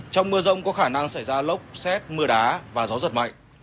trong mưa rông có khả năng xảy ra lốc xét mưa đá và gió giật mạnh